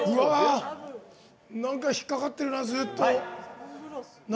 なんか、引っ掛かってるな。